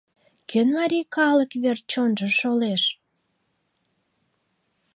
Кӧн марий калык верч чонжо шолеш?